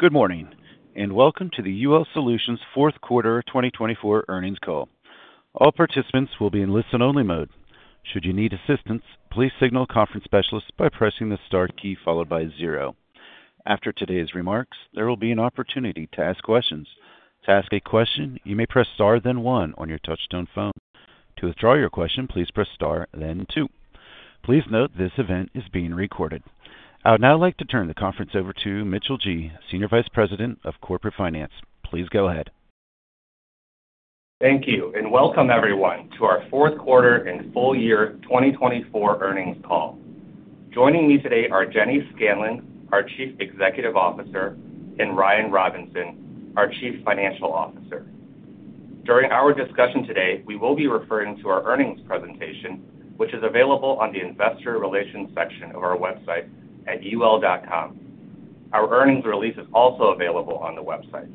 Good morning, and welcome to the UL Solutions Fourth Quarter 2024 earnings call. All participants will be in listen-only mode. Should you need assistance, please signal conference specialists by pressing the star key followed by zero. After today's remarks, there will be an opportunity to ask questions. To ask a question, you may press star, then one on your touch-tone phone. To withdraw your question, please press star, then two. Please note this event is being recorded. I would now like to turn the conference over to Mitchell Ji, Senior Vice President of Corporate Finance. Please go ahead. Thank you, and welcome everyone to our Fourth Quarter and Full Year 2024 earnings call. Joining me today are Jenny Scanlon, our Chief Executive Officer, and Ryan Robinson, our Chief Financial Officer. During our discussion today, we will be referring to our earnings presentation, which is available on the Investor Relations section of our website at ul.com. Our earnings release is also available on the website.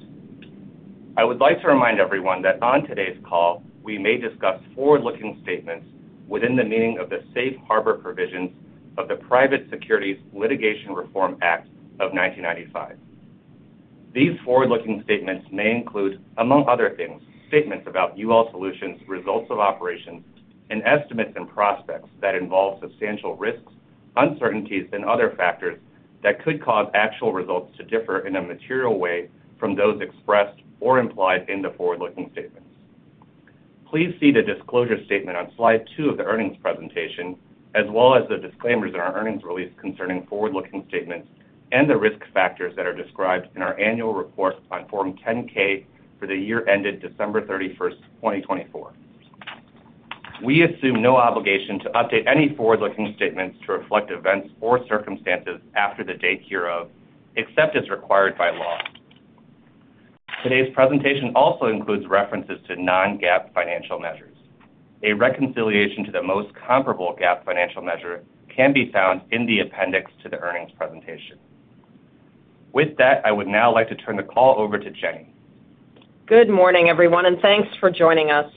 I would like to remind everyone that on today's call, we may discuss forward-looking statements within the meaning of the safe harbor provisions of the Private Securities Litigation Reform Act of 1995. These forward-looking statements may include, among other things, statements about UL Solutions' results of operations and estimates and prospects that involve substantial risks, uncertainties, and other factors that could cause actual results to differ in a material way from those expressed or implied in the forward-looking statements. Please see the disclosure statement on slide two of the earnings presentation, as well as the disclaimers in our earnings release concerning forward-looking statements and the risk factors that are described in our annual report on Form 10-K for the year ended December 31st, 2024. We assume no obligation to update any forward-looking statements to reflect events or circumstances after the date hereof, except as required by law. Today's presentation also includes references to non-GAAP financial measures. A reconciliation to the most comparable GAAP financial measure can be found in the appendix to the earnings presentation. With that, I would now like to turn the call over to Jenny. Good morning, everyone, and thanks for joining us.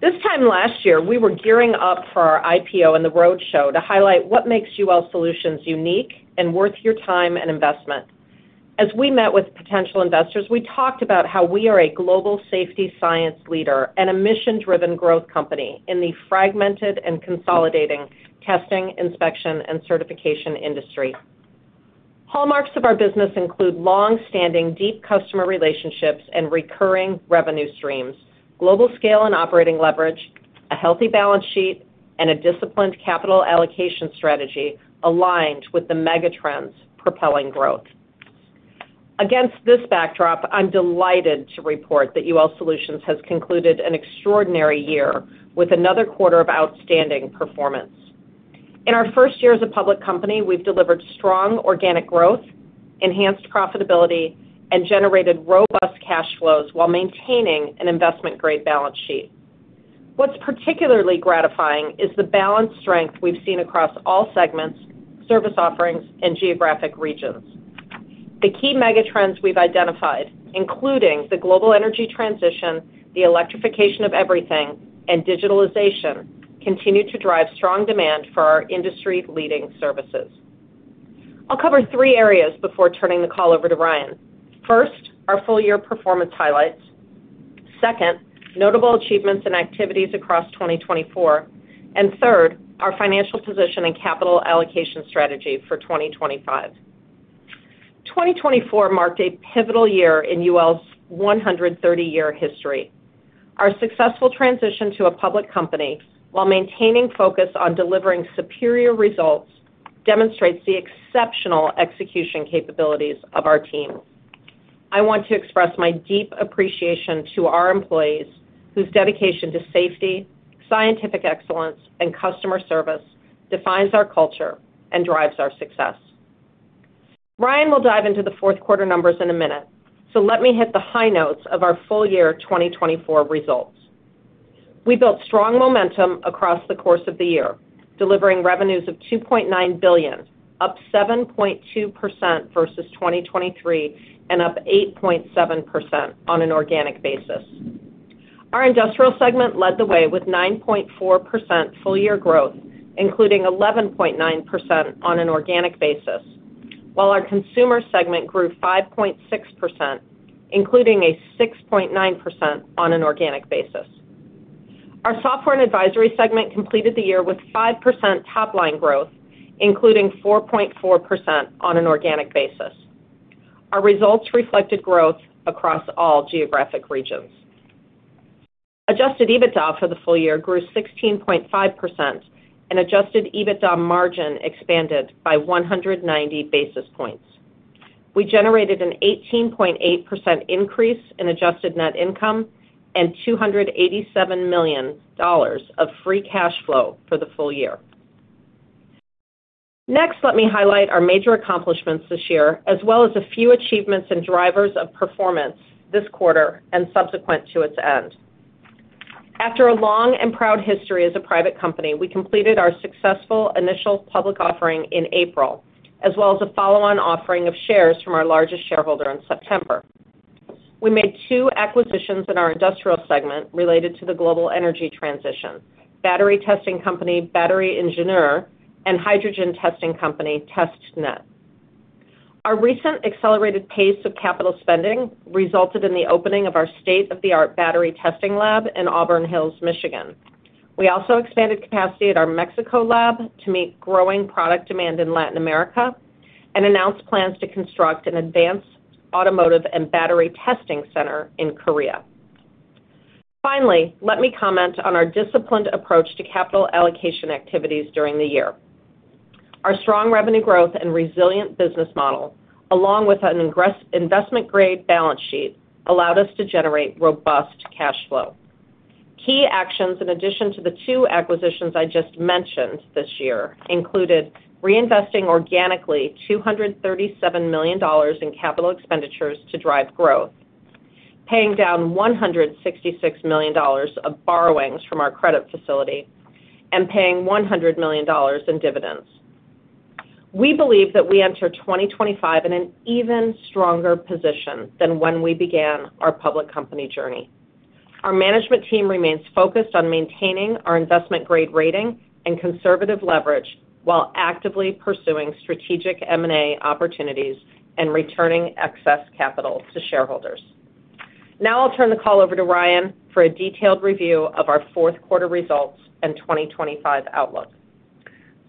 This time last year, we were gearing up for our IPO and the roadshow to highlight what makes UL Solutions unique and worth your time and investment. As we met with potential investors, we talked about how we are a global safety science leader and a mission-driven growth company in the fragmented and consolidating testing, inspection, and certification industry. Hallmarks of our business include long-standing deep customer relationships and recurring revenue streams, global scale and operating leverage, a healthy balance sheet, and a disciplined capital allocation strategy aligned with the mega trends propelling growth. Against this backdrop, I'm delighted to report that UL Solutions has concluded an extraordinary year with another quarter of outstanding performance. In our first year as a public company, we've delivered strong organic growth, enhanced profitability, and generated robust cash flows while maintaining an investment-grade balance sheet. What's particularly gratifying is the balanced strength we've seen across all segments, service offerings, and geographic regions. The key mega trends we've identified, including the global energy transition, the electrification of everything, and digitalization, continue to drive strong demand for our industry-leading services. I'll cover three areas before turning the call over to Ryan. First, our full-year performance highlights. Second, notable achievements and activities across 2024. And third, our financial position and capital allocation strategy for 2025. 2024 marked a pivotal year in UL's 130-year history. Our successful transition to a public company, while maintaining focus on delivering superior results, demonstrates the exceptional execution capabilities of our team. I want to express my deep appreciation to our employees whose dedication to safety, scientific excellence, and customer service defines our culture and drives our success. Ryan will dive into the fourth quarter numbers in a minute, so let me hit the high notes of our full-year 2024 results. We built strong momentum across the course of the year, delivering revenues of $2.9 billion, up 7.2% versus 2023, and up 8.7% on an organic basis. Our Industrial segment led the way with 9.4% full-year growth, including 11.9% on an organic basis, while our Consumer segment grew 5.6%, including a 6.9% on an organic basis. Our Software and Advisory segment completed the year with 5% top-line growth, including 4.4% on an organic basis. Our results reflected growth across all geographic regions. Adjusted EBITDA for the full year grew 16.5%, and Adjusted EBITDA margin expanded by 190 basis points. We generated an 18.8% increase in Adjusted Net Income and $287 million of Free Cash Flow for the full year. Next, let me highlight our major accomplishments this year, as well as a few achievements and drivers of performance this quarter and subsequent to its end. After a long and proud history as a private company, we completed our successful initial public offering in April, as well as a follow-on offering of shares from our largest shareholder in September. We made two acquisitions in our industrial segment related to the global energy transition: Battery Testing Company, BatterieIngenieure and Hydrogen Testing Company, TesTneT. Our recent accelerated pace of capital spending resulted in the opening of our state-of-the-art battery testing lab in Auburn Hills, Michigan. We also expanded capacity at our Mexico lab to meet growing product demand in Latin America and announced plans to construct an advanced automotive and battery testing center in Korea. Finally, let me comment on our disciplined approach to capital allocation activities during the year. Our strong revenue growth and resilient business model, along with an investment-grade balance sheet, allowed us to generate robust cash flow. Key actions, in addition to the two acquisitions I just mentioned this year, included reinvesting organically $237 million in capital expenditures to drive growth, paying down $166 million of borrowings from our credit facility, and paying $100 million in dividends. We believe that we enter 2025 in an even stronger position than when we began our public company journey. Our management team remains focused on maintaining our investment-grade rating and conservative leverage while actively pursuing strategic M&A opportunities and returning excess capital to shareholders. Now I'll turn the call over to Ryan for a detailed review of our fourth quarter results and 2025 outlook.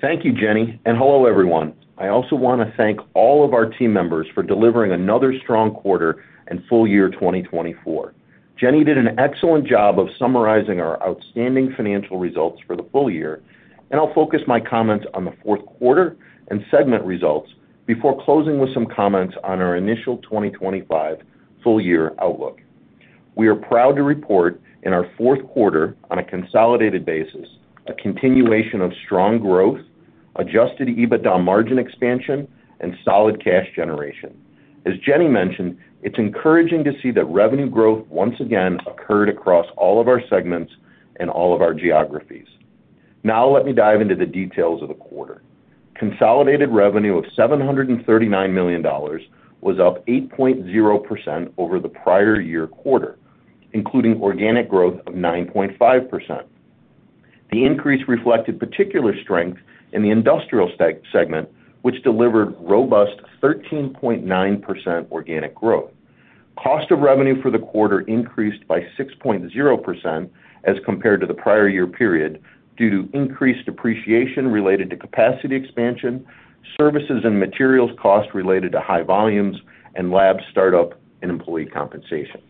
Thank you, Jenny, and hello, everyone. I also want to thank all of our team members for delivering another strong quarter and full year 2024. Jenny did an excellent job of summarizing our outstanding financial results for the full year, and I'll focus my comments on the fourth quarter and segment results before closing with some comments on our initial 2025 full-year outlook. We are proud to report in our fourth quarter, on a consolidated basis, a continuation of strong growth, adjusted EBITDA margin expansion, and solid cash generation. As Jenny mentioned, it's encouraging to see that revenue growth once again occurred across all of our segments and all of our geographies. Now let me dive into the details of the quarter. Consolidated revenue of $739 million was up 8.0% over the prior year quarter, including organic growth of 9.5%. The increase reflected particular strength in the Industrial segment, which delivered robust 13.9% organic growth. Cost of revenue for the quarter increased by 6.0% as compared to the prior year period due to increased depreciation related to capacity expansion, services and materials costs related to high volumes, and lab startup and employee compensation.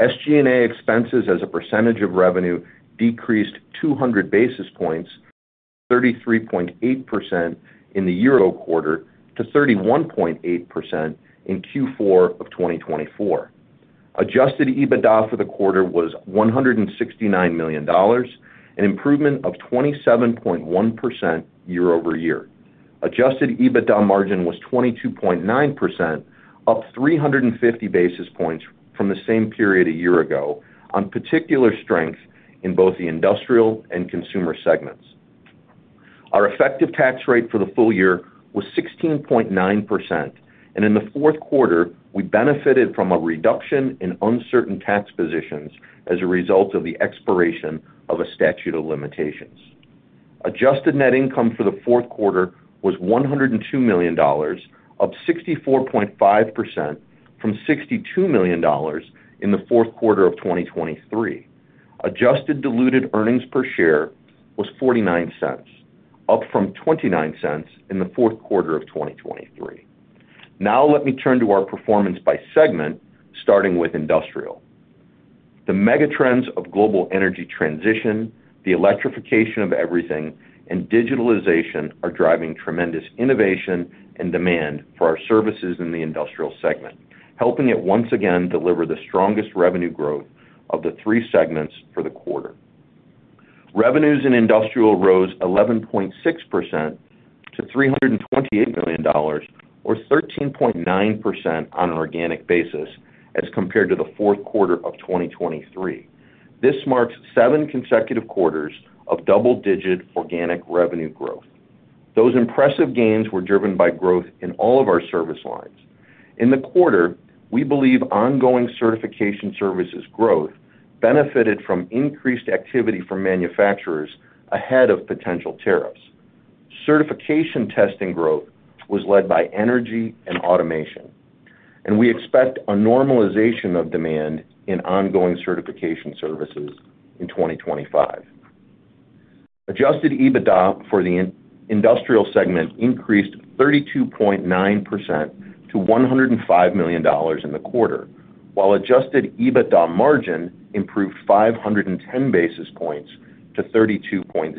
SG&A expenses as a percentage of revenue decreased 200 basis points, 33.8% in the prior quarter, to 31.8% in Q4 of 2024. Adjusted EBITDA for the quarter was $169 million, an improvement of 27.1% year over year. Adjusted EBITDA margin was 22.9%, up 350 basis points from the same period a year ago on particular strength in both the Industrial and Consumer segments. Our effective tax rate for the full year was 16.9%, and in the fourth quarter, we benefited from a reduction in uncertain tax positions as a result of the expiration of a statute of limitations. Adjusted net income for the fourth quarter was $102 million, up 64.5% from $62 million in the fourth quarter of 2023. Adjusted diluted earnings per share was $0.49, up from $0.29 in the fourth quarter of 2023. Now let me turn to our performance by segment, starting with Industrial. The mega trends of Global Energy Transition, Electrification of Everything, and Digitalization are driving tremendous innovation and demand for our services in the Industrial segment, helping it once again deliver the strongest revenue growth of the three segments for the quarter. Revenues in Industrial rose 11.6% to $328 million, or 13.9% on an organic basis as compared to the fourth quarter of 2023. This marks seven consecutive quarters of double-digit organic revenue growth. Those impressive gains were driven by growth in all of our service lines. In the quarter, we believe ongoing certification services growth benefited from increased activity from manufacturers ahead of potential tariffs. Certification testing growth was led by energy and automation, and we expect a normalization of demand in ongoing certification services in 2025. Adjusted EBITDA for the industrial segment increased 32.9% to $105 million in the quarter, while Adjusted EBITDA margin improved 510 basis points to 32.0%.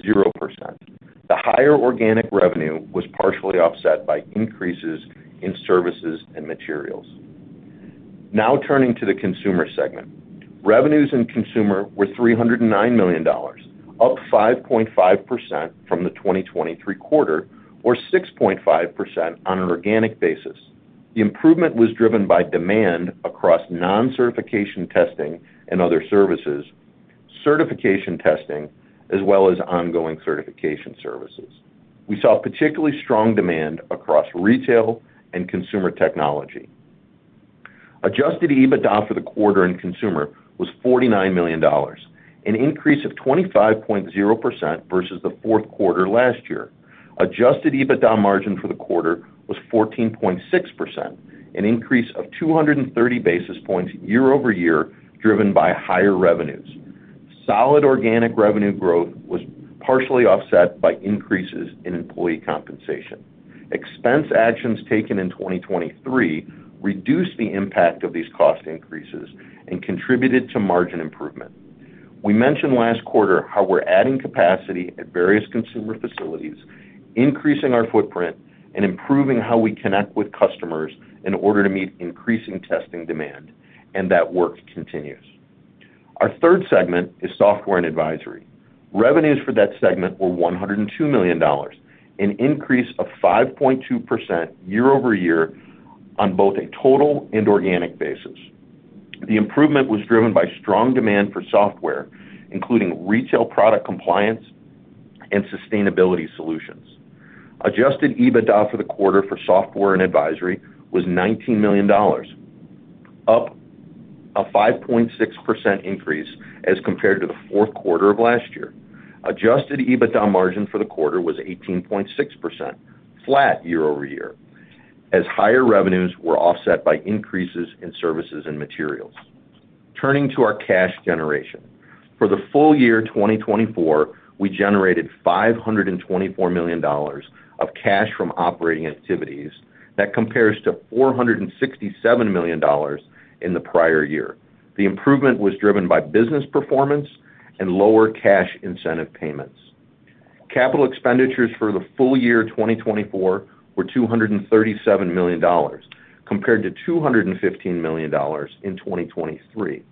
The higher organic revenue was partially offset by increases in services and materials. Now turning to the consumer segment, revenues in consumer were $309 million, up 5.5% from the 2023 quarter, or 6.5% on an organic basis. The improvement was driven by demand across non-certification testing and other services, certification testing, as well as ongoing certification services. We saw particularly strong demand across retail and consumer technology. Adjusted EBITDA for the quarter in Consumer was $49 million, an increase of 25.0% versus the fourth quarter last year. Adjusted EBITDA margin for the quarter was 14.6%, an increase of 230 basis points year over year driven by higher revenues. Solid organic revenue growth was partially offset by increases in employee compensation. Expense actions taken in 2023 reduced the impact of these cost increases and contributed to margin improvement. We mentioned last quarter how we're adding capacity at various consumer facilities, increasing our footprint, and improving how we connect with customers in order to meet increasing testing demand, and that work continues. Our third segment is Software and Advisory. Revenues for that segment were $102 million, an increase of 5.2% year over year on both a total and organic basis. The improvement was driven by strong demand for software, including retail product compliance and sustainability solutions. Adjusted EBITDA for the quarter for software and advisory was $19 million, up a 5.6% increase as compared to the fourth quarter of last year. Adjusted EBITDA margin for the quarter was 18.6%, flat year over year, as higher revenues were offset by increases in services and materials. Turning to our cash generation. For the full year 2024, we generated $524 million of cash from operating activities. That compares to $467 million in the prior year. The improvement was driven by business performance and lower cash incentive payments. Capital expenditures for the full year 2024 were $237 million, compared to $215 million in 2023.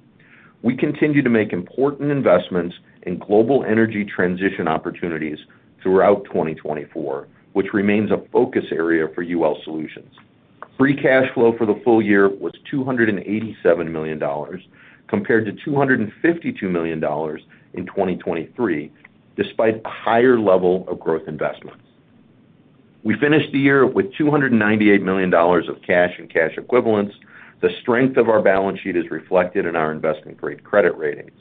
We continue to make important investments in global energy transition opportunities throughout 2024, which remains a focus area for UL Solutions. Free cash flow for the full year was $287 million, compared to $252 million in 2023, despite a higher level of growth investments. We finished the year with $298 million of cash and cash equivalents. The strength of our balance sheet is reflected in our investment-grade credit ratings.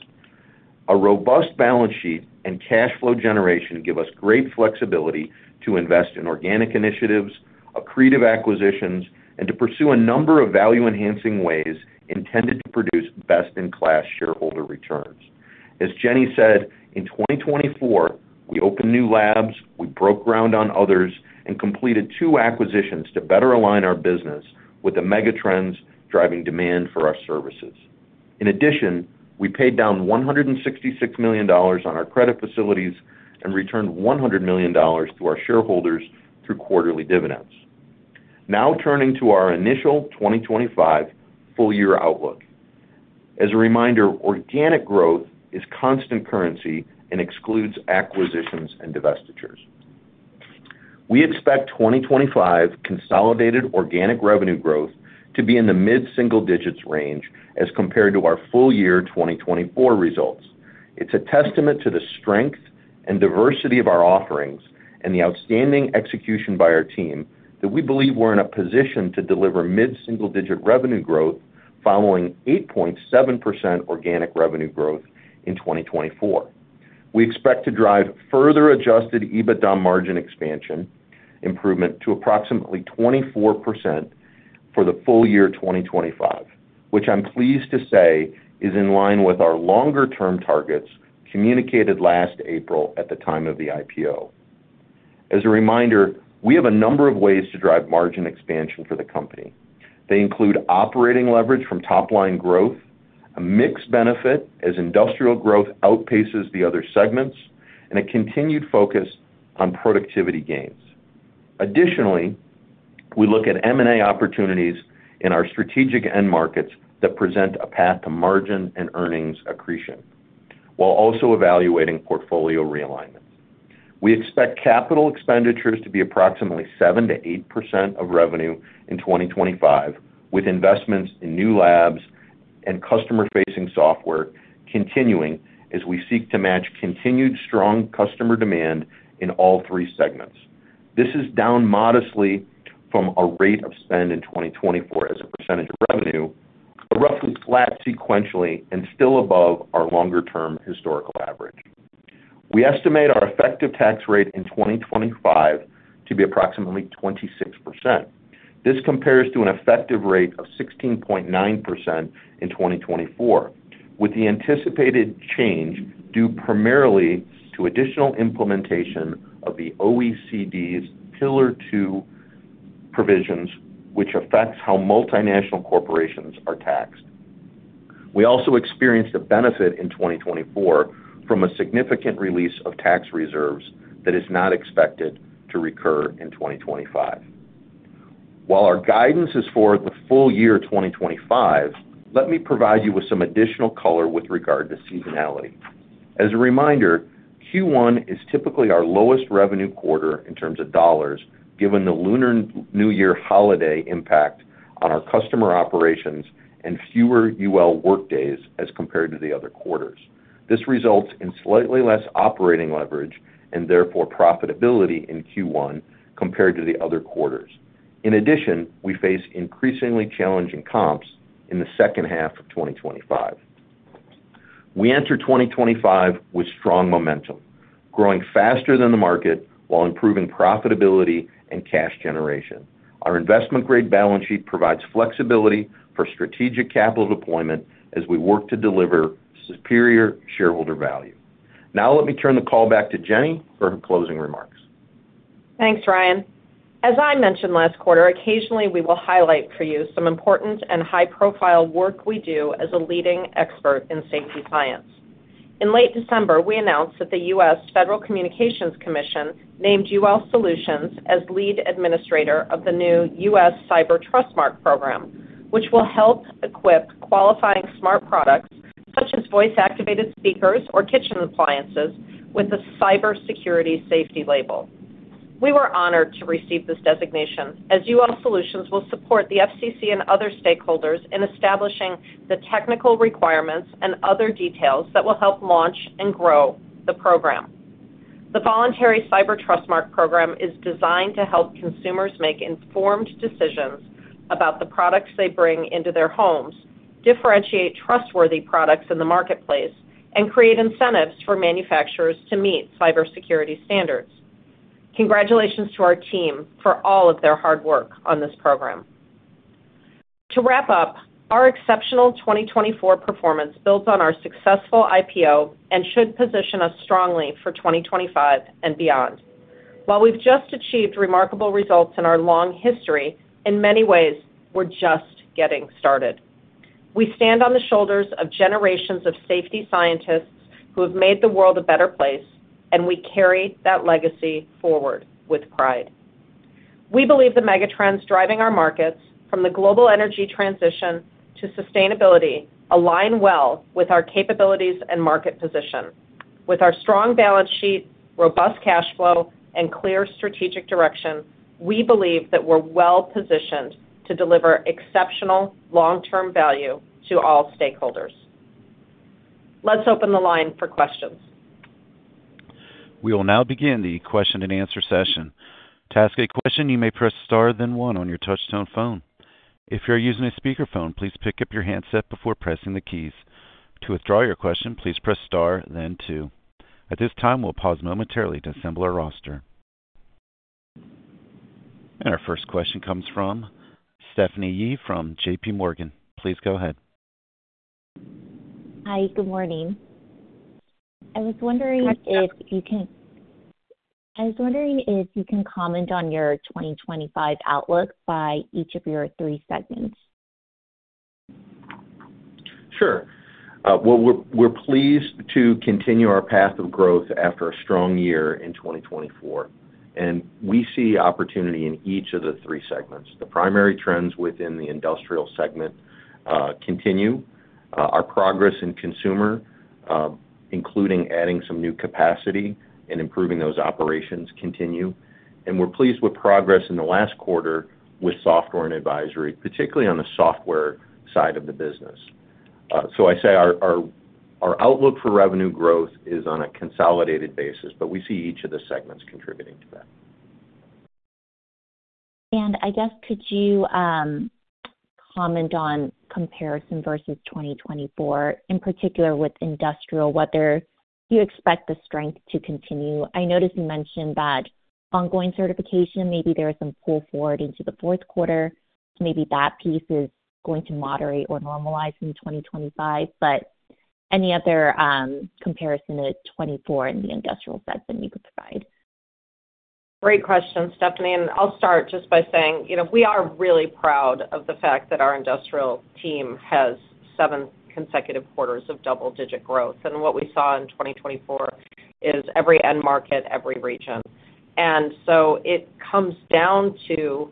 A robust balance sheet and cash flow generation give us great flexibility to invest in organic initiatives, accretive acquisitions, and to pursue a number of value-enhancing ways intended to produce best-in-class shareholder returns. As Jenny said, in 2024, we opened new labs, we broke ground on others, and completed two acquisitions to better align our business with the mega trends driving demand for our services. In addition, we paid down $166 million on our credit facilities and returned $100 million to our shareholders through quarterly dividends. Now turning to our initial 2025 full-year outlook. As a reminder, organic growth is constant currency and excludes acquisitions and divestitures. We expect 2025 consolidated organic revenue growth to be in the mid-single digits range as compared to our full year 2024 results. It's a testament to the strength and diversity of our offerings and the outstanding execution by our team that we believe we're in a position to deliver mid-single digit revenue growth following 8.7% organic revenue growth in 2024. We expect to drive further adjusted EBITDA margin expansion improvement to approximately 24% for the full year 2025, which I'm pleased to say is in line with our longer-term targets communicated last April at the time of the IPO. As a reminder, we have a number of ways to drive margin expansion for the company. They include operating leverage from top-line growth, a mixed benefit as industrial growth outpaces the other segments, and a continued focus on productivity gains. Additionally, we look at M&A opportunities in our strategic end markets that present a path to margin and earnings accretion while also evaluating portfolio realignment. We expect capital expenditures to be approximately 7%-8% of revenue in 2025, with investments in new labs and customer-facing software continuing as we seek to match continued strong customer demand in all three segments. This is down modestly from our rate of spend in 2024 as a percentage of revenue, but roughly flat sequentially and still above our longer-term historical average. We estimate our effective tax rate in 2025 to be approximately 26%. This compares to an effective rate of 16.9% in 2024, with the anticipated change due primarily to additional implementation of the OECD Pillar Two provisions, which affects how multinational corporations are taxed. We also experienced a benefit in 2024 from a significant release of tax reserves that is not expected to recur in 2025. While our guidance is for the full year 2025, let me provide you with some additional color with regard to seasonality. As a reminder, Q1 is typically our lowest revenue quarter in terms of dollars, given the Lunar New Year holiday impact on our customer operations and fewer UL workdays as compared to the other quarters. This results in slightly less operating leverage and therefore profitability in Q1 compared to the other quarters. In addition, we face increasingly challenging comps in the second half of 2025. We enter 2025 with strong momentum, growing faster than the market while improving profitability and cash generation. Our investment-grade balance sheet provides flexibility for strategic capital deployment as we work to deliver superior shareholder value. Now let me turn the call back to Jenny for her closing remarks. Thanks, Ryan. As I mentioned last quarter, occasionally we will highlight for you some important and high-profile work we do as a leading expert in safety science. In late December, we announced that the U.S. Federal Communications Commission named UL Solutions as lead administrator of the new U.S. Cyber Trustmark program, which will help equip qualifying smart products such as voice-activated speakers or kitchen appliances with a cybersecurity safety label. We were honored to receive this designation as UL Solutions will support the FCC and other stakeholders in establishing the technical requirements and other details that will help launch and grow the program. The voluntary Cyber Trustmark program is designed to help consumers make informed decisions about the products they bring into their homes, differentiate trustworthy products in the marketplace, and create incentives for manufacturers to meet cybersecurity standards. Congratulations to our team for all of their hard work on this program. To wrap up, our exceptional 2024 performance builds on our successful IPO and should position us strongly for 2025 and beyond. While we've just achieved remarkable results in our long history, in many ways, we're just getting started. We stand on the shoulders of generations of safety scientists who have made the world a better place, and we carry that legacy forward with pride. We believe the mega trends driving our markets from the global energy transition to sustainability align well with our capabilities and market position. With our strong balance sheet, robust cash flow, and clear strategic direction, we believe that we're well positioned to deliver exceptional long-term value to all stakeholders. Let's open the line for questions. We will now begin the question and answer session. To ask a question, you may press star then one on your touch-tone phone. If you're using a speakerphone, please pick up your handset before pressing the keys. To withdraw your question, please press star then two. At this time, we'll pause momentarily to assemble our roster. And our first question comes from Stephanie Yee from J.P. Morgan. Please go ahead. Hi, good morning. I was wondering if you can comment on your 2025 outlook by each of your three segments. Sure. Well, we're pleased to continue our path of growth after a strong year in 2024, and we see opportunity in each of the three segments. The primary trends within the industrial segment continue. Our progress in consumer, including adding some new capacity and improving those operations, continue. And we're pleased with progress in the last quarter with software and advisory, particularly on the software side of the business. So I say our outlook for revenue growth is on a consolidated basis, but we see each of the segments contributing to that. And I guess, could you comment on comparison versus 2024, in particular with industrial? Whether you expect the strength to continue? I noticed you mentioned that ongoing certification, maybe there is some pull forward into the fourth quarter. Maybe that piece is going to moderate or normalize in 2025. But any other comparison to 2024 in the industrial segment you could provide? Great question, Stephanie. And I'll start just by saying we are really proud of the fact that our industrial team has seven consecutive quarters of double-digit growth. And what we saw in 2024 is every end market, every region. And so it comes down to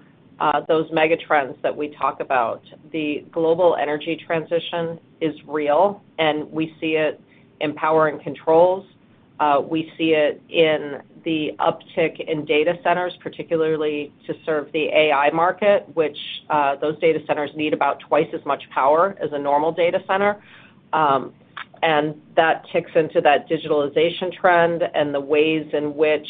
those mega trends that we talk about. The global energy transition is real, and we see it in power and controls. We see it in the uptick in data centers, particularly to serve the AI market, which those data centers need about twice as much power as a normal data center. And that ties into that digitalization trend and the ways in which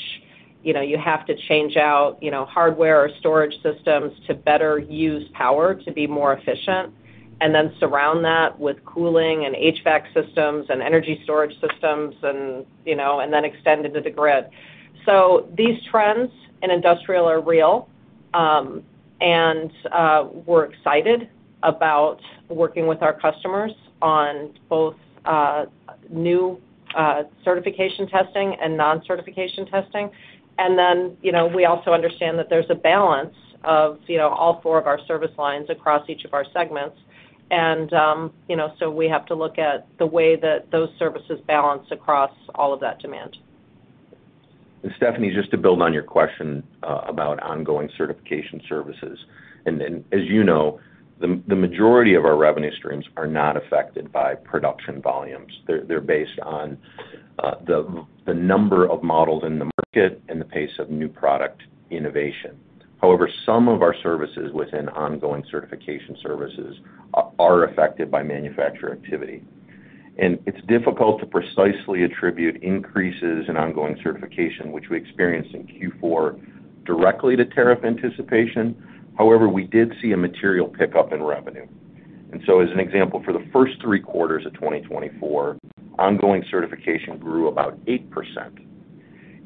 you have to change out hardware or storage systems to better use power to be more efficient, and then surround that with cooling and HVAC systems and energy storage systems, and then extend into the grid. So these trends in industrial are real, and we're excited about working with our customers on both new certification testing and non-certification testing. And then we also understand that there's a balance of all four of our service lines across each of our segments. And so we have to look at the way that those services balance across all of that demand. And Stephanie, just to build on your question about ongoing certification services, and as you know, the majority of our revenue streams are not affected by production volumes. They're based on the number of models in the market and the pace of new product innovation. However, some of our services within ongoing certification services are affected by manufacturer activity. And it's difficult to precisely attribute increases in ongoing certification, which we experienced in Q4, directly to tariff anticipation. However, we did see a material pickup in revenue. And so, as an example, for the first three quarters of 2024, ongoing certification grew about 8%.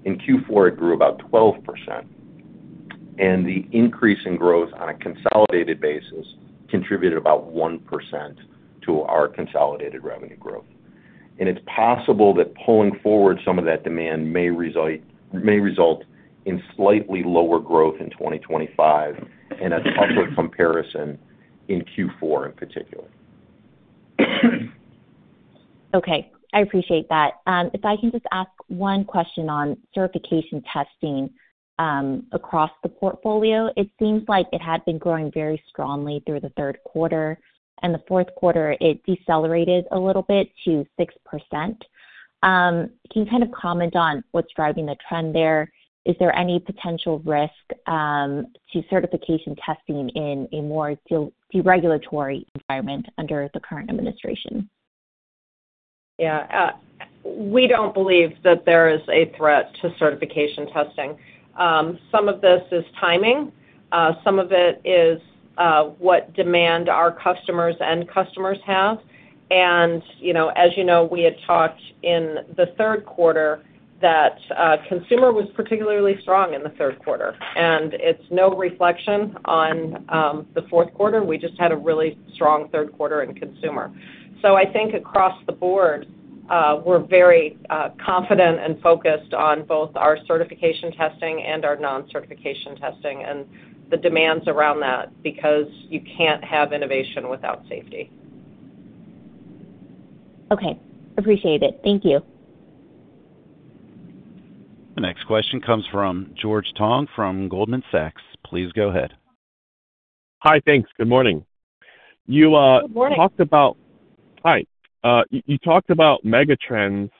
In Q4, it grew about 12%. And the increase in growth on a consolidated basis contributed about 1% to our consolidated revenue growth. And it's possible that pulling forward some of that demand may result in slightly lower growth in 2025, and that's also a comparison in Q4 in particular. Okay. I appreciate that. If I can just ask one question on certification testing across the portfolio, it seems like it had been growing very strongly through the third quarter. In the fourth quarter, it decelerated a little bit to 6%. Can you kind of comment on what's driving the trend there? Is there any potential risk to certification testing in a more deregulatory environment under the current administration? Yeah. We don't believe that there is a threat to certification testing. Some of this is timing. Some of it is what demand our customers and customers have. And as you know, we had talked in the third quarter that Consumer was particularly strong in the third quarter. And it's no reflection on the fourth quarter. We just had a really strong third quarter in Consumer. So I think across the board, we're very confident and focused on both our certification testing and our non-certification testing and the demands around that because you can't have innovation without safety. Okay. Appreciate it. Thank you. The next question comes from George Tong from Goldman Sachs. Please go ahead. Hi, thanks. Good morning. Good morning. Hi. You talked about mega trends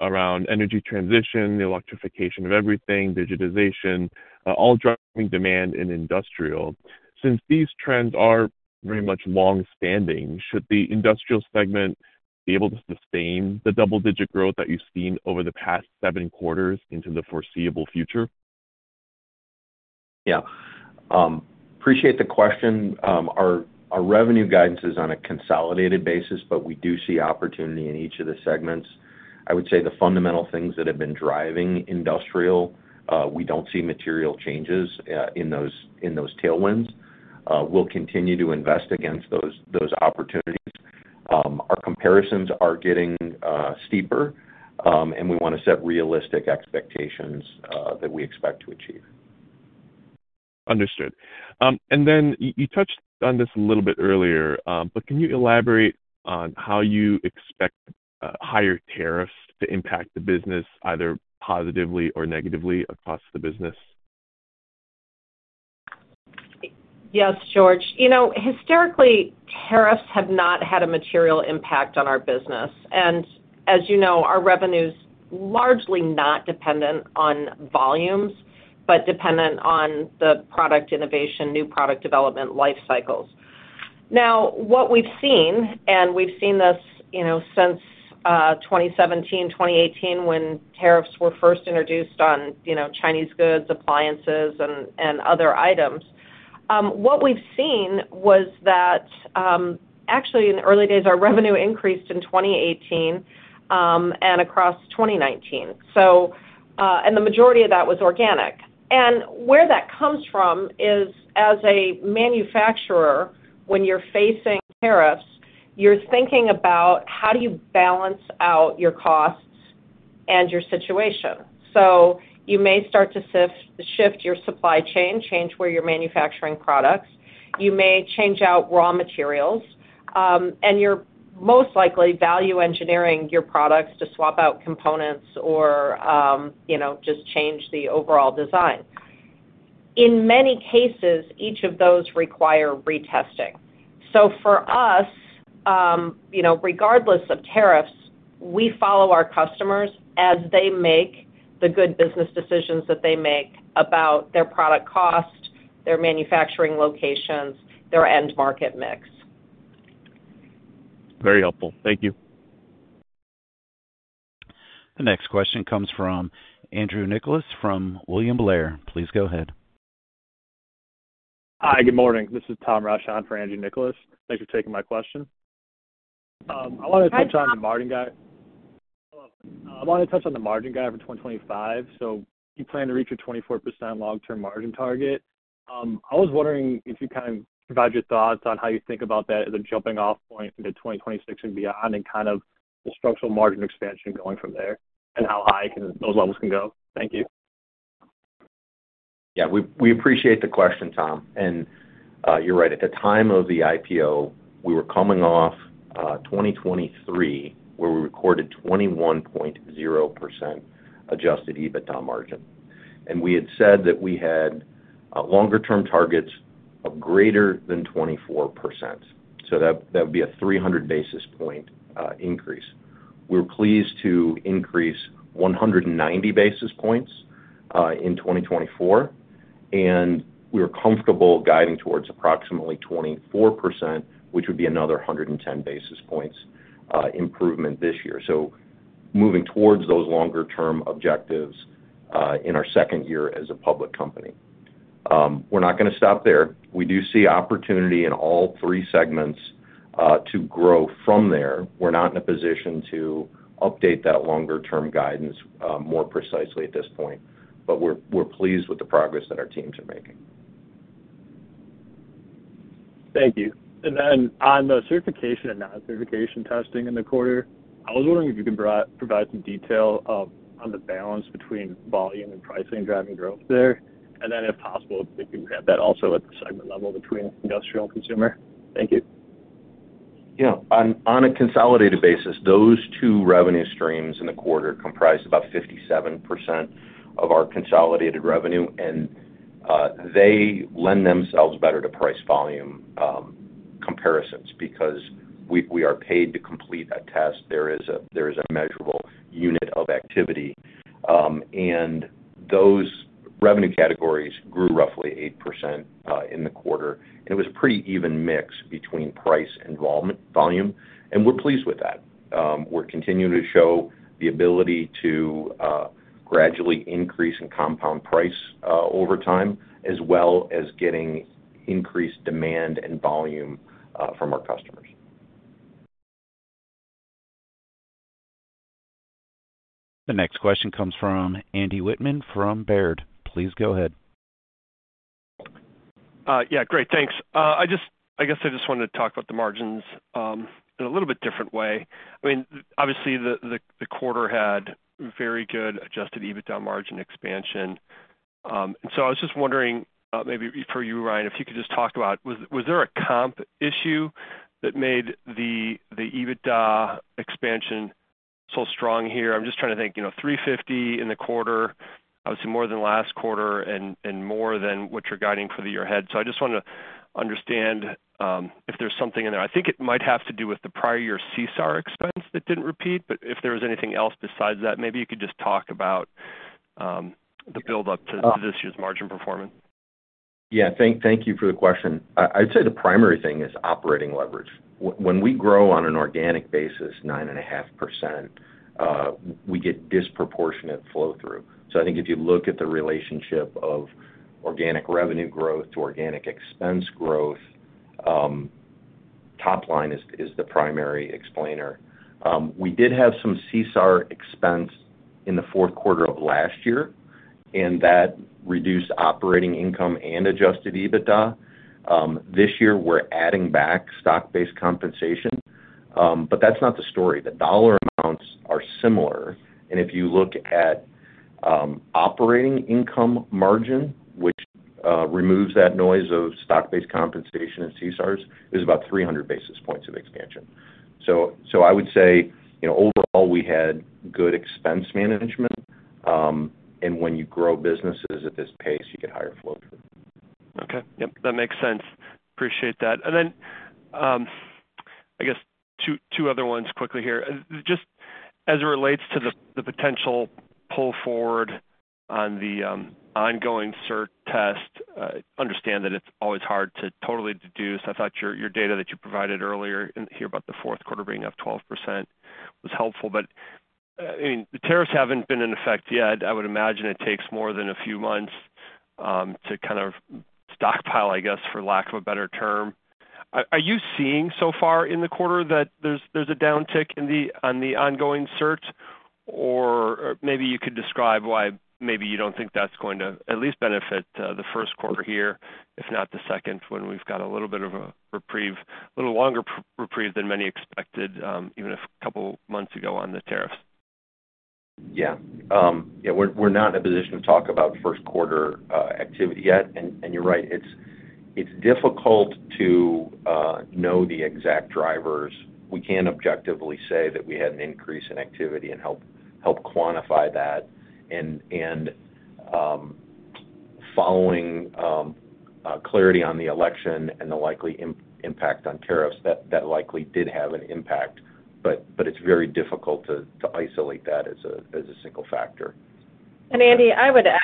around energy transition, the electrification of everything, digitization, all driving demand in industrial. Since these trends are very much longstanding, should the industrial segment be able to sustain the double-digit growth that you've seen over the past seven quarters into the foreseeable future? Yeah. Appreciate the question. Our revenue guidance is on a consolidated basis, but we do see opportunity in each of the segments. I would say the fundamental things that have been driving industrial, we don't see material changes in those tailwinds. We'll continue to invest against those opportunities. Our comparisons are getting steeper, and we want to set realistic expectations that we expect to achieve. Understood. And then you touched on this a little bit earlier, but can you elaborate on how you expect higher tariffs to impact the business, either positively or negatively, across the business? Yes, George. Historically, tariffs have not had a material impact on our business. And as you know, our revenue is largely not dependent on volumes but dependent on the product innovation, new product development life cycles. Now, what we've seen, and we've seen this since 2017, 2018, when tariffs were first introduced on Chinese goods, appliances, and other items, what we've seen was that actually, in the early days, our revenue increased in 2018 and across 2019. And the majority of that was organic. And where that comes from is, as a manufacturer, when you're facing tariffs, you're thinking about how do you balance out your costs and your situation. So you may start to shift your supply chain, change where you're manufacturing products. You may change out raw materials, and you're most likely value engineering your products to swap out components or just change the overall design. In many cases, each of those require retesting. So for us, regardless of tariffs, we follow our customers as they make the good business decisions that they make about their product cost, their manufacturing locations, their end market mix. Very helpful. Thank you. The next question comes from Andrew Nicholas from William Blair. Please go ahead. Hi, good morning. This is Tom Rashawn for Andrew Nicholas. Thanks for taking my question. I want to touch on the margin guide. I want to touch on the margin guide for 2025. So you plan to reach your 24% long-term margin target. I was wondering if you can kind of provide your thoughts on how you think about that as a jumping-off point into 2026 and beyond and kind of the structural margin expansion going from there and how high those levels can go. Thank you. Yeah. We appreciate the question, Tom. And you're right. At the time of the IPO, we were coming off 2023, where we recorded 21.0% Adjusted EBITDA margin. And we had said that we had longer-term targets of greater than 24%. So that would be a 300 basis point increase. We were pleased to increase 190 basis points in 2024, and we were comfortable guiding towards approximately 24%, which would be another 110 basis points improvement this year. So, moving towards those longer-term objectives in our second year as a public company. We're not going to stop there. We do see opportunity in all three segments to grow from there. We're not in a position to update that longer-term guidance more precisely at this point, but we're pleased with the progress that our teams are making. Thank you. And then on the Certification and Non-certification Testing in the quarter, I was wondering if you could provide some detail on the balance between volume and pricing driving growth there, and then, if possible, if you could have that also at the segment level between Industrial and Consumer. Thank you. Yeah. On a consolidated basis, those two revenue streams in the quarter comprised about 57% of our consolidated revenue, and they lend themselves better to price volume comparisons because we are paid to complete a test. There is a measurable unit of activity. And those revenue categories grew roughly 8% in the quarter. And it was a pretty even mix between price and volume, and we're pleased with that. We're continuing to show the ability to gradually increase and compound price over time, as well as getting increased demand and volume from our customers. The next question comes from Andy Whitman from Baird. Please go ahead. Yeah. Great. Thanks. I guess I just wanted to talk about the margins in a little bit different way. I mean, obviously, the quarter had very good adjusted EBITDA margin expansion. And so I was just wondering maybe for you, Ryan, if you could just talk about, was there a comp issue that made the EBITDA expansion so strong here? I'm just trying to think. 350 in the quarter, obviously more than last quarter and more than what you're guiding for the year ahead. So I just want to understand if there's something in there. I think it might have to do with the prior year CSAR expense that didn't repeat. But if there was anything else besides that, maybe you could just talk about the build-up to this year's margin performance. Yeah. Thank you for the question. I'd say the primary thing is operating leverage. When we grow on an organic basis, 9.5%, we get disproportionate flow-through. So I think if you look at the relationship of organic revenue growth to organic expense growth, top line is the primary explainer. We did have some CSAR expense in the fourth quarter of last year, and that reduced operating income and Adjusted EBITDA. This year, we're adding back stock-based compensation. But that's not the story. The dollar amounts are similar. And if you look at operating income margin, which removes that noise of stock-based compensation and CSARs, it was about 300 basis points of expansion. So I would say, overall, we had good expense management. And when you grow businesses at this pace, you get higher flow-through. Okay. Yep. That makes sense. Appreciate that. And then I guess two other ones quickly here. Just as it relates to the potential pull forward on the ongoing certification testing, I understand that it's always hard to totally deduce. I thought your data that you provided earlier here about the fourth quarter being up 12% was helpful. But I mean, the tariffs haven't been in effect yet. I would imagine it takes more than a few months to kind of stockpile, I guess, for lack of a better term. Are you seeing so far in the quarter that there's a downtick on the ongoing cert? Or maybe you could describe why maybe you don't think that's going to at least benefit the first quarter here, if not the second, when we've got a little bit of a reprieve, a little longer reprieve than many expected, even a couple of months ago on the tariffs? Yeah. Yeah. We're not in a position to talk about first-quarter activity yet. And you're right. It's difficult to know the exact drivers. We can objectively say that we had an increase in activity and help quantify that. And following clarity on the election and the likely impact on tariffs, that likely did have an impact. But it's very difficult to isolate that as a single factor. And Andy, I would add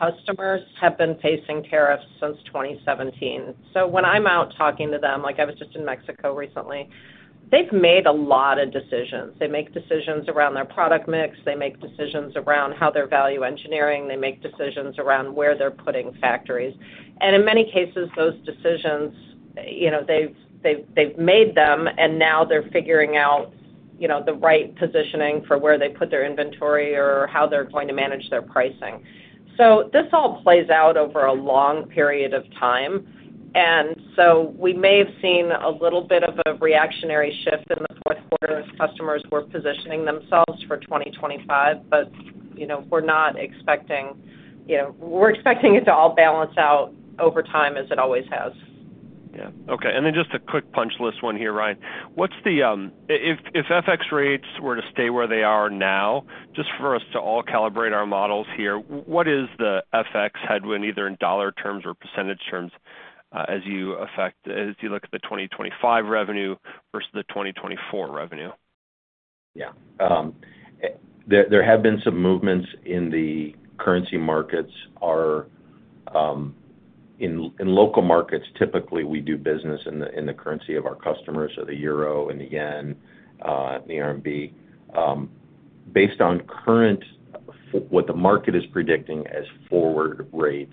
our customers have been facing tariffs since 2017. So when I'm out talking to them, like I was just in Mexico recently, they've made a lot of decisions. They make decisions around their product mix. They make decisions around how they're value engineering. They make decisions around where they're putting factories. And in many cases, those decisions, they've made them, and now they're figuring out the right positioning for where they put their inventory or how they're going to manage their pricing. So this all plays out over a long period of time. And so we may have seen a little bit of a reactionary shift in the fourth quarter as customers were positioning themselves for 2025, but we're not expecting we're expecting it to all balance out over time as it always has. Yeah. Okay. And then just a quick punch list one here, Ryan. If FX rates were to stay where they are now, just for us to all calibrate our models here, what is the FX headwind, either in dollar terms or percentage terms, as you look at the 2025 revenue versus the 2024 revenue? Yeah. There have been some movements in the currency markets. In local markets, typically, we do business in the currency of our customers, so the euro and the yen, the RMB. Based on what the market is predicting as forward rates,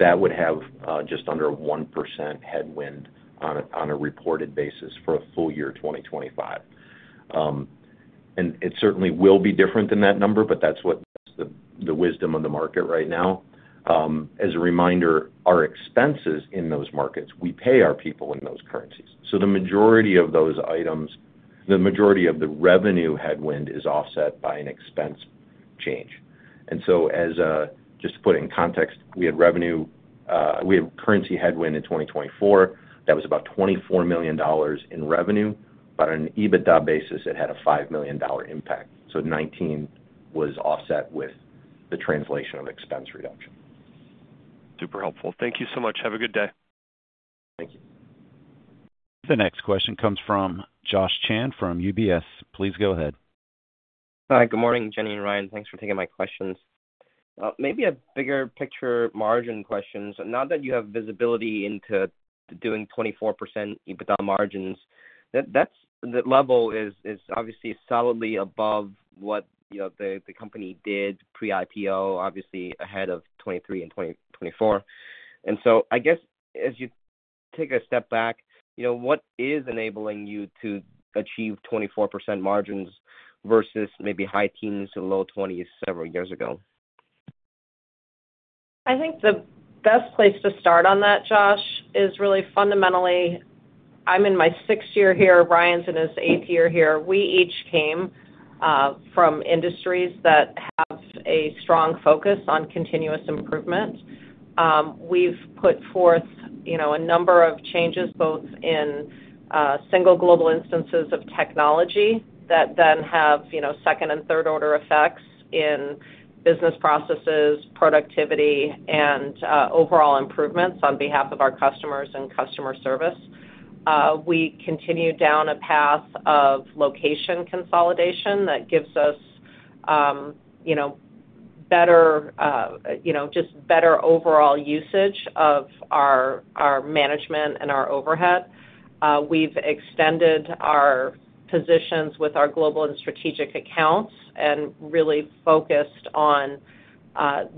that would have just under 1% headwind on a reported basis for a full year, 2025. And it certainly will be different than that number, but that's the wisdom of the market right now. As a reminder, our expenses in those markets, we pay our people in those currencies. So the majority of those items, the majority of the revenue headwind is offset by an expense change. So just to put it in context, we had a currency headwind in 2024. That was about $24 million in revenue. But on an EBITDA basis, it had a $5 million impact. So $19 million was offset with the translation of expense reduction. Super helpful. Thank you so much. Have a good day. Thank you. The next question comes from Josh Chan from UBS. Please go ahead. Hi. Good morning, Jenny and Ryan. Thanks for taking my questions. Maybe a bigger-picture margin question. Not that you have visibility into doing 24% EBITDA margins. That level is obviously solidly above what the company did pre-IPO, obviously ahead of 2023 and 2024. And so I guess, as you take a step back, what is enabling you to achieve 24% margins versus maybe high teens and low 20s several years ago? I think the best place to start on that, Josh, is really fundamentally. I'm in my sixth year here. Ryan's in his eighth year here. We each came from industries that have a strong focus on continuous improvement. We've put forth a number of changes both in single global instances of technology that then have second and third-order effects in business processes, productivity, and overall improvements on behalf of our customers and customer service. We continue down a path of location consolidation that gives us better, just better overall usage of our management and our overhead. We've extended our positions with our global and strategic accounts and really focused on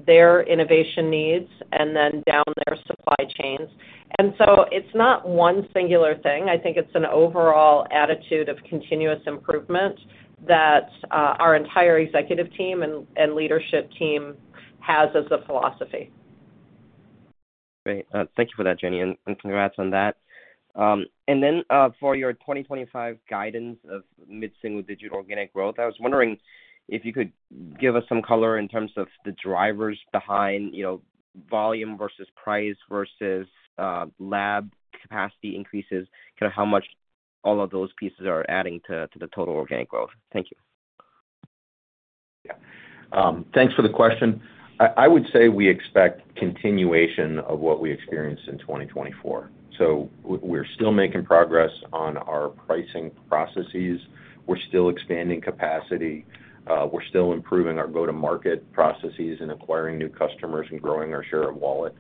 their innovation needs and then down their supply chains. And so it's not one singular thing. I think it's an overall attitude of continuous improvement that our entire executive team and leadership team has as a philosophy. Great. Thank you for that, Jenny. And congrats on that. And then for your 2025 guidance of mid-single-digit organic growth, I was wondering if you could give us some color in terms of the drivers behind volume versus price versus lab capacity increases, kind of how much all of those pieces are adding to the total organic growth. Thank you. Yeah. Thanks for the question. I would say we expect continuation of what we experienced in 2024. So we're still making progress on our pricing processes. We're still expanding capacity. We're still improving our go-to-market processes and acquiring new customers and growing our share of wallet.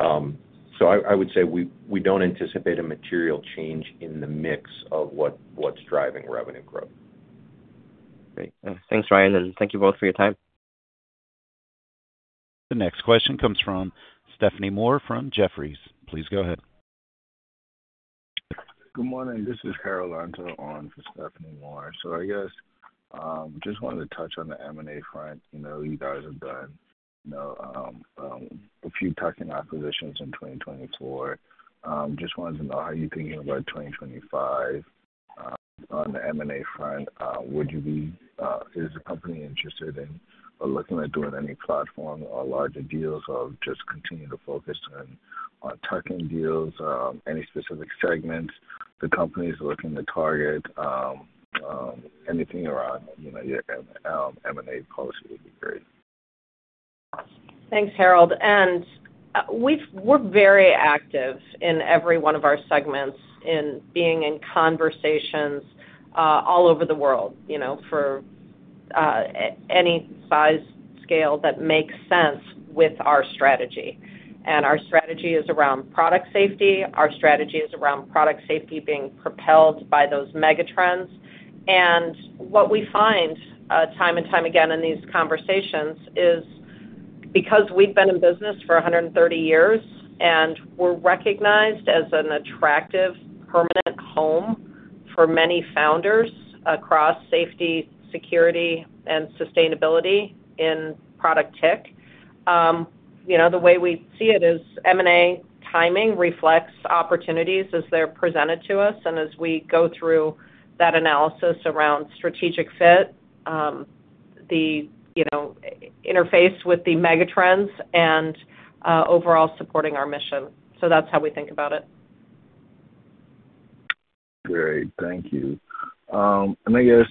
So I would say we don't anticipate a material change in the mix of what's driving revenue growth. Great. Thanks, Ryan. And thank you both for your time. The next question comes from Stephanie Moore from Jefferies. Please go ahead. Good morning. This is Harold Antor on for Stephanie Moore. So I guess just wanted to touch on the M&A front. You guys have done a few tuck-in acquisitions in 2024. Just wanted to know how you're thinking about 2025 on the M&A front. Would is the company interested in looking at doing any platform or larger deals or just continue to focus on tuck-in deals, any specific segments the company is looking to target, anything around your M&A policy would be great. Thanks, Harold. And we're very active in every one of our segments in being in conversations all over the world for any size scale that makes sense with our strategy. Our strategy is around product safety being propelled by those mega trends. And what we find time and time again in these conversations is because we've been in business for 130 years, and we're recognized as an attractive permanent home for many founders across safety, security, and sustainability in product tech. The way we see it is M&A timing reflects opportunities as they're presented to us. And as we go through that analysis around strategic fit, the interface with the mega trends, and overall supporting our mission. So that's how we think about it. Great. Thank you. And I guess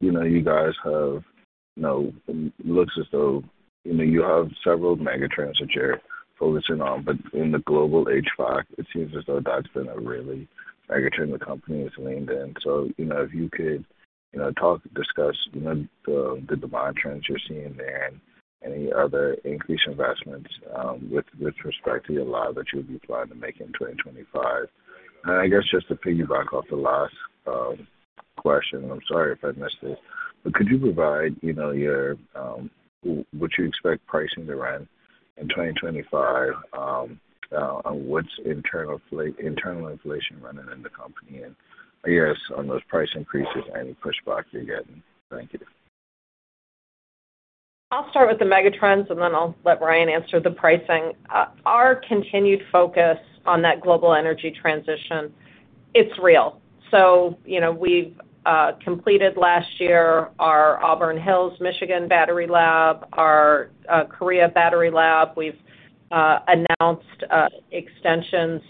you guys have it looks as though you have several mega trends that you're focusing on. But in the global HVAC, it seems as though that's been a really mega trend the company has leaned in. So if you could talk, discuss the demand trends you're seeing there and any other increased investments with respect to your lab that you'll be planning to make in 2025. And I guess just to piggyback off the last question, and I'm sorry if I missed this, but could you provide what you expect pricing to run in 2025 and what's internal inflation running in the company? And I guess on those price increases, any pushback you're getting. Thank you. I'll start with the mega trends, and then I'll let Ryan answer the pricing. Our continued focus on that global energy transition, it's real. So we've completed last year our Auburn Hills, Michigan battery lab, our Korea battery lab. We've announced extensions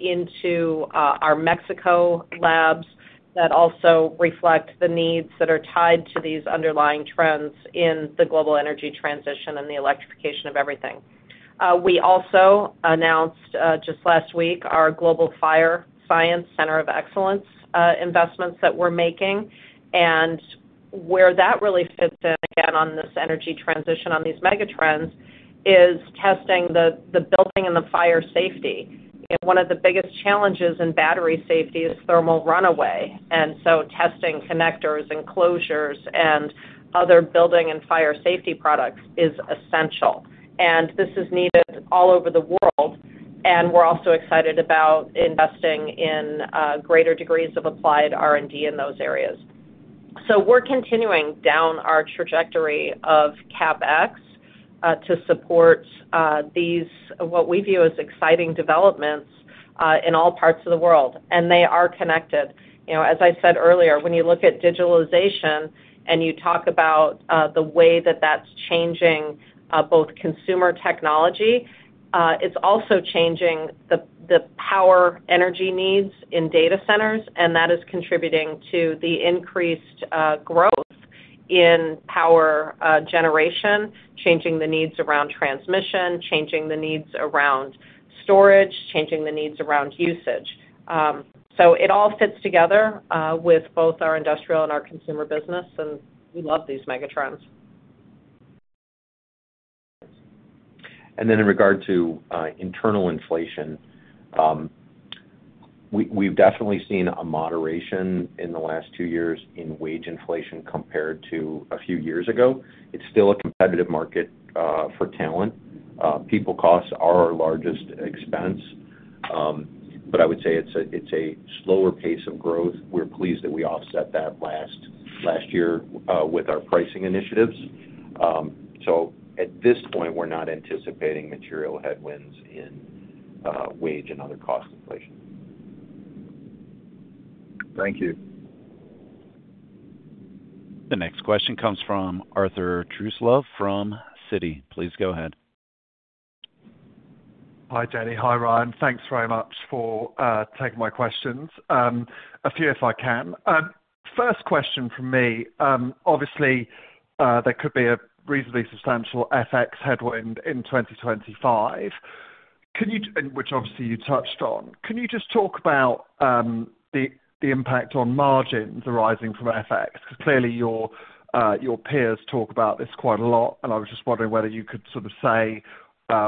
into our Mexico labs that also reflect the needs that are tied to these underlying trends in the global energy transition and the electrification of everything. We also announced just last week our Global Fire Science Center of Excellence investments that we're making, and where that really fits in, again, on this energy transition, on these mega trends, is testing the building and the fire safety. One of the biggest challenges in battery safety is thermal runaway, and so testing connectors and closures and other building and fire safety products is essential, and this is needed all over the world, and we're also excited about investing in greater degrees of applied R&D in those areas, so we're continuing down our trajectory of CapEx to support what we view as exciting developments in all parts of the world, and they are connected. As I said earlier, when you look at digitalization and you talk about the way that that's changing both consumer technology, it's also changing the power energy needs in data centers. And that is contributing to the increased growth in power generation, changing the needs around transmission, changing the needs around storage, changing the needs around usage. So it all fits together with both our industrial and our consumer business. And we love these mega trends. And then in regard to internal inflation, we've definitely seen a moderation in the last two years in wage inflation compared to a few years ago. It's still a competitive market for talent. People costs are our largest expense. But I would say it's a slower pace of growth. We're pleased that we offset that last year with our pricing initiatives. So at this point, we're not anticipating material headwinds in wage and other cost inflation. Thank you. The next question comes from Arthur Truslove from Citi. Please go ahead. Hi, Jenny. Hi, Ryan. Thanks very much for taking my questions. A few, if I can. First question from me. Obviously, there could be a reasonably substantial FX headwind in 2025, which obviously you touched on. Can you just talk about the impact on margins arising from FX? Because clearly, your peers talk about this quite a lot. And I was just wondering whether you could sort of say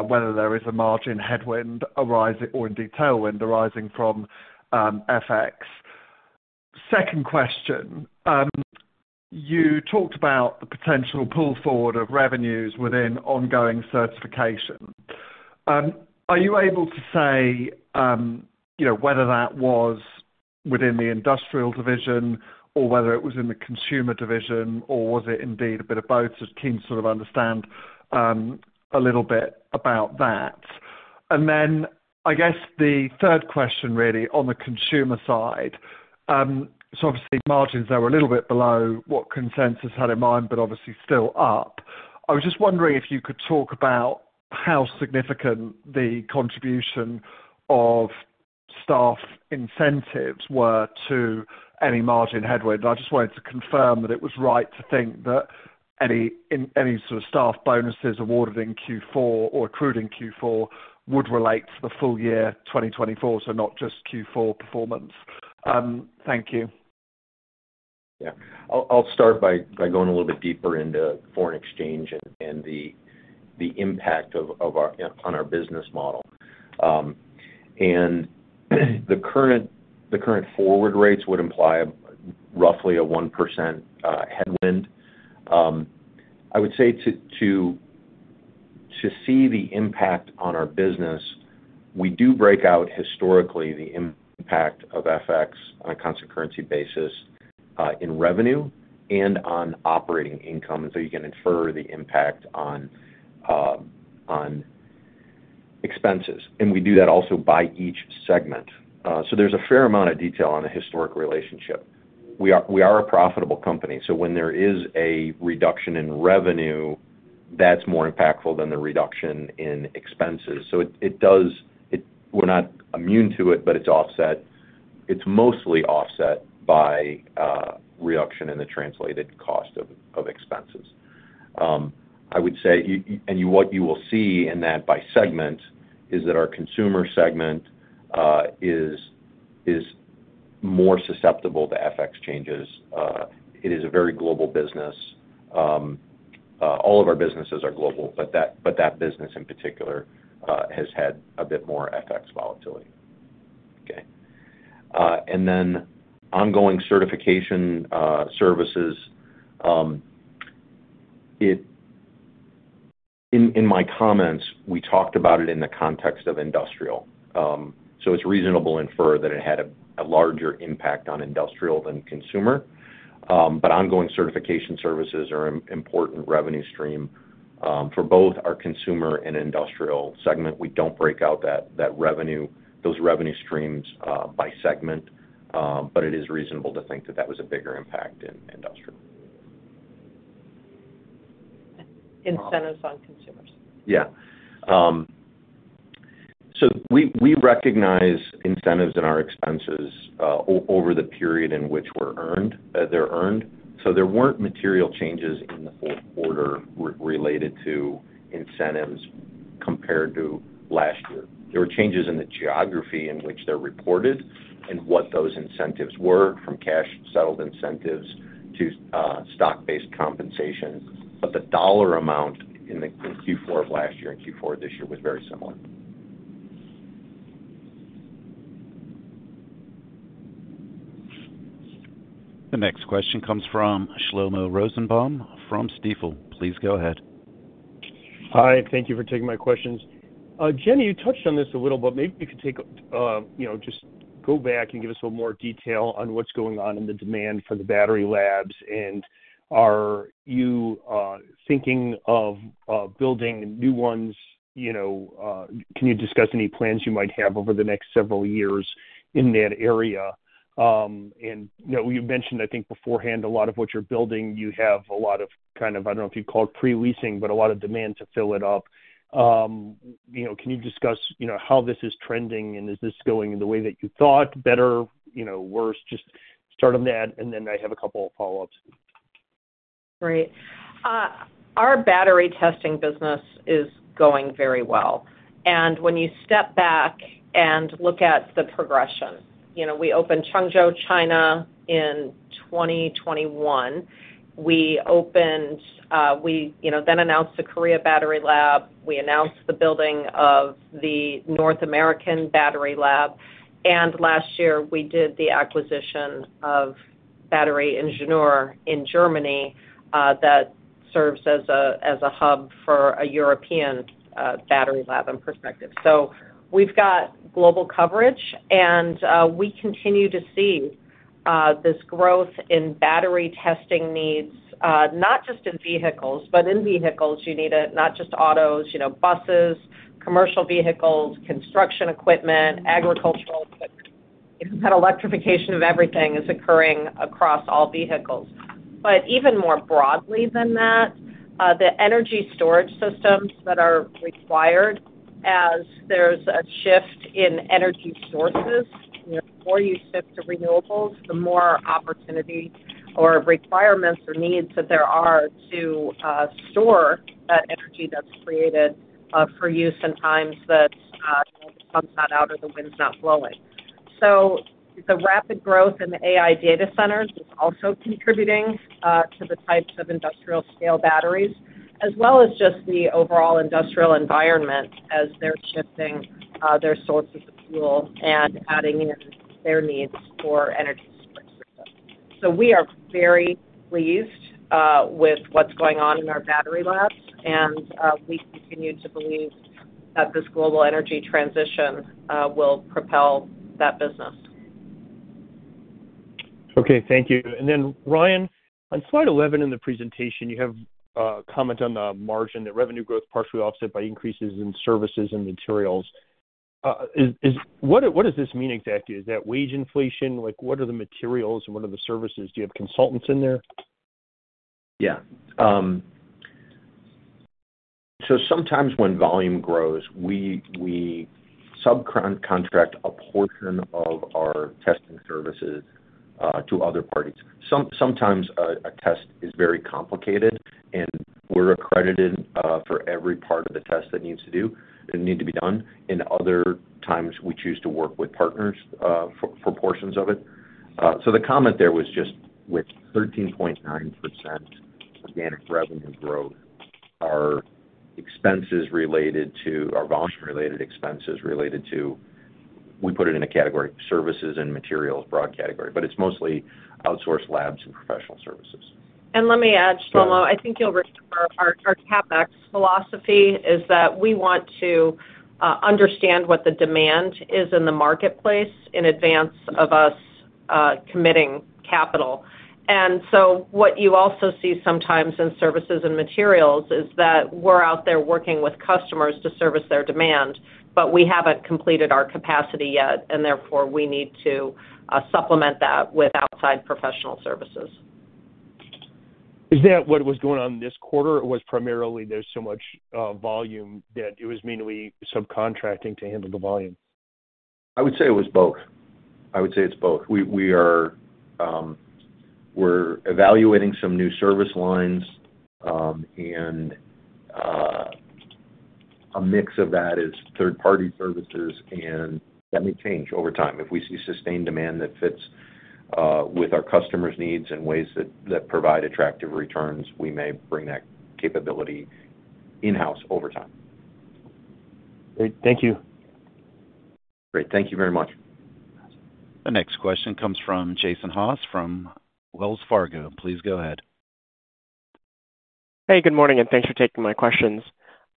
whether there is a margin headwind or indeed tailwind arising from FX. Second question. You talked about the potential pull forward of revenues within ongoing certification. Are you able to say whether that was within the Industrial division or whether it was in the Consumer division, or was it indeed a bit of both? Just keen to sort of understand a little bit about that. And then I guess the third question, really, on the consumer side. So obviously, margins are a little bit below what consensus had in mind, but obviously still up. I was just wondering if you could talk about how significant the contribution of staff incentives were to any margin headwind. I just wanted to confirm that it was right to think that any sort of staff bonuses awarded in Q4 or accrued in Q4 would relate to the full year 2024, so not just Q4 performance. Thank you. Yeah. I'll start by going a little bit deeper into foreign exchange and the impact on our business model, and the current forward rates would imply roughly a 1% headwind. I would say to see the impact on our business, we do break out historically the impact of FX on a constant currency basis in revenue and on operating income, and so you can infer the impact on expenses. And we do that also by each segment. So there's a fair amount of detail on a historic relationship. We are a profitable company. So when there is a reduction in revenue, that's more impactful than the reduction in expenses. So we're not immune to it, but it's offset. It's mostly offset by reduction in the translated cost of expenses. I would say, and what you will see in that by segment is that our Consumer segment is more susceptible to FX changes. It is a very global business. All of our businesses are global, but that business in particular has had a bit more FX volatility. Okay. And then Ongoing Certification Services, in my comments, we talked about it in the context of Industrial. So it's reasonable to infer that it had a larger impact on Industrial than Consumer. But ongoing certification services are an important revenue stream for both our consumer and industrial segment. We don't break out those revenue streams by segment, but it is reasonable to think that that was a bigger impact in industrial. Incentives on consumers. Yeah. So we recognize incentives in our expenses over the period in which they're earned. So there weren't material changes in the fourth quarter related to incentives compared to last year. There were changes in the geography in which they're reported and what those incentives were from cash-settled incentives to stock-based compensation. But the dollar amount in Q4 of last year and Q4 of this year was very similar. The next question comes from Shlomo Rosenbaum from Stifel. Please go ahead. Hi. Thank you for taking my questions. Jenny, you touched on this a little, but maybe you could just go back and give us a little more detail on what's going on in the demand for the battery labs. And are you thinking of building new ones? Can you discuss any plans you might have over the next several years in that area? And you mentioned, I think, beforehand, a lot of what you're building, you have a lot of kind of, I don't know if you'd call it pre-leasing, but a lot of demand to fill it up. Can you discuss how this is trending, and is this going in the way that you thought, better, worse, just start on that? And then I have a couple of follow-ups. Great. Our battery testing business is going very well. And when you step back and look at the progression, we opened Changzhou, China, in 2021. We opened. We then announced the Korea battery lab. We announced the building of the North American battery lab. Last year, we did the acquisition of Battery Ingenieure in Germany that serves as a hub for a European battery lab in perspective. We've got global coverage. We continue to see this growth in battery testing needs, not just in vehicles. You need it not just autos, buses, commercial vehicles, construction equipment, agricultural equipment. Electrification of everything is occurring across all vehicles. Even more broadly than that, the energy storage systems that are required as there's a shift in energy sources. The more you shift to renewables, the more opportunity or requirements or needs that there are to store that energy that's created for use in times that the sun's not out or the wind's not blowing. The rapid growth in the AI data centers is also contributing to the types of industrial-scale batteries, as well as just the overall industrial environment as they're shifting their sources of fuel and adding in their needs for energy storage systems. We are very pleased with what's going on in our battery labs. We continue to believe that this global energy transition will propel that business. Okay. Thank you. Then, Ryan, on slide 11 in the presentation, you have a comment on the margin, that revenue growth partially offset by increases in services and materials. What does this mean exactly? Is that wage inflation? What are the materials and what are the services? Do you have consultants in there? Yeah. Sometimes when volume grows, we subcontract a portion of our testing services to other parties. Sometimes a test is very complicated, and we're accredited for every part of the test that needs to be done, and other times, we choose to work with partners for portions of it. So the comment there was just with 13.9% organic revenue growth, our volume-related expenses related to we put it in a category, services and materials, broad category, but it's mostly outsourced labs and professional services. And let me add, Shlomo, I think you'll remember our CapEx philosophy is that we want to understand what the demand is in the marketplace in advance of us committing capital, and so what you also see sometimes in services and materials is that we're out there working with customers to service their demand, but we haven't completed our capacity yet, and therefore, we need to supplement that with outside professional services. Is that what was going on this quarter, or was primarily there so much volume that it was mainly subcontracting to handle the volume? I would say it was both. I would say it's both. We're evaluating some new service lines. And a mix of that is third-party services. And that may change over time. If we see sustained demand that fits with our customers' needs in ways that provide attractive returns, we may bring that capability in-house over time. Great. Thank you. Great. Thank you very much. The next question comes from Jason Haas from Wells Fargo. Please go ahead. Hey, good morning. And thanks for taking my questions.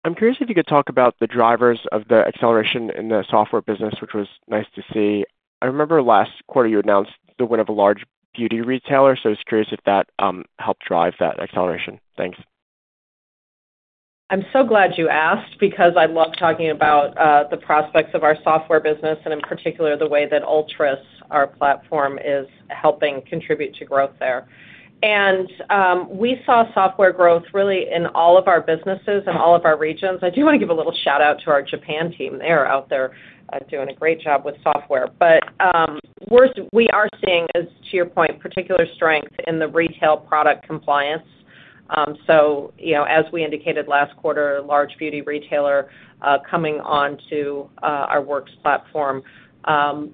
I'm curious if you could talk about the drivers of the acceleration in the software business, which was nice to see. I remember last quarter, you announced the win of a large beauty retailer. So I was curious if that helped drive that acceleration. Thanks. I'm so glad you asked because I love talking about the prospects of our software business, and in particular, the way that ULTRUS, our platform, is helping contribute to growth there. And we saw software growth really in all of our businesses and all of our regions. I do want to give a little shout-out to our Japan team. They are out there doing a great job with software. But we are seeing, as to your point, particular strength in the retail product compliance. So as we indicated last quarter, a large beauty retailer coming on to our WERCS latform,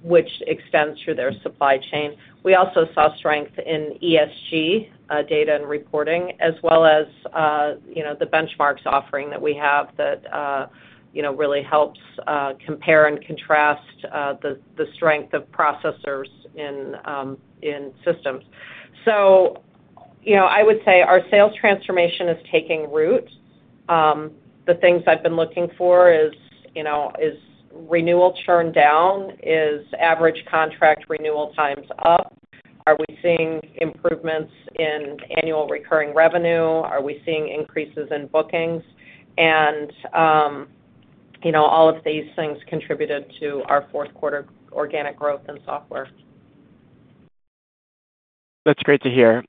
which extends through their supply chain. We also saw strength in ESG data and reporting, as well as the benchmarks offering that we have that really helps compare and contrast the strength of processors in systems. So I would say our sales transformation is taking root. The things I've been looking for is, is renewal churn down? Is average contract renewal times up? Are we seeing improvements in annual recurring revenue? Are we seeing increases in bookings? And all of these things contributed to our fourth quarter organic growth in software. That's great to hear.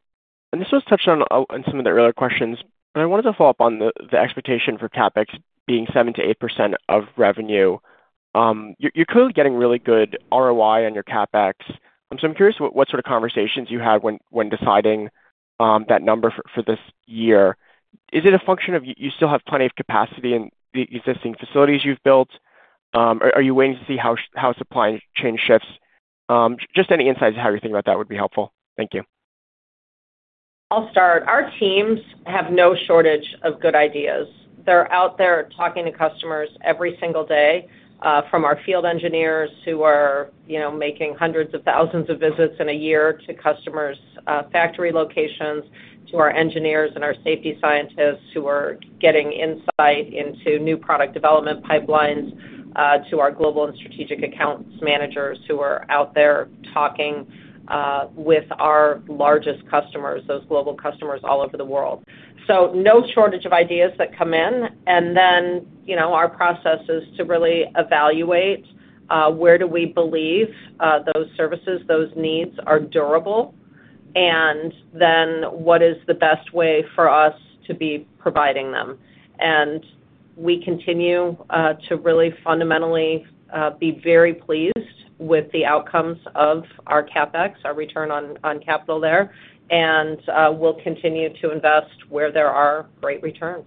And this was touched on in some of the earlier questions, but I wanted to follow up on the expectation for CapEx being 7%-8% of revenue. You're clearly getting really good ROI on your CapEx. So I'm curious what sort of conversations you had when deciding that number for this year. Is it a function of you still have plenty of capacity in the existing facilities you've built? Are you waiting to see how supply chain shifts? Just any insights of how you're thinking about that would be helpful. Thank you. I'll start. Our teams have no shortage of good ideas. They're out there talking to customers qevery single day, from our field engineers who are making hundreds of thousands of visits in a year to customers' factory locations, to our engineers and our safety scientists who are getting insight into new product development pipelines, to our global and strategic accounts managers who are out there talking with our largest customers, those global customers all over the world. So no shortage of ideas that come in. And then our process is to really evaluate where do we believe those services, those needs are durable, and then what is the best way for us to be providing them. And we continue to really fundamentally be very pleased with the outcomes of our CapEx, our return on capital there. And we'll continue to invest where there are great returns.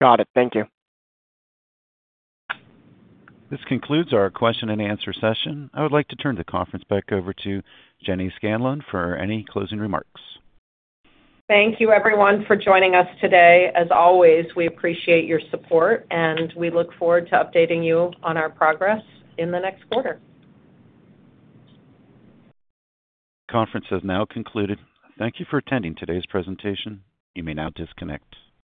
Got it. Thank you. This concludes our question-and-answer session. I would like to turn the conference back over to Jenny Scanlon for any closing remarks. Thank you, everyone, for joining us today. As always, we appreciate your support, and we look forward to updating you on our progress in the next quarter. The conference has now concluded. Thank you for attending today's presentation. You may now disconnect.